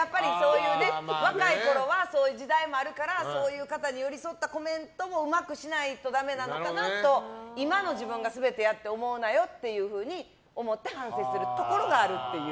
若いころはそういう時代もあるからそういう方に寄り添ったコメントもうまくしないとダメなのかなと今の自分が全てやって思うなよっていうふうに思って反省するところがあるっていう。